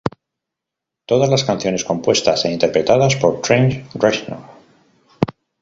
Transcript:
Todas las canciones compuestas e interpretadas por Trent Reznor.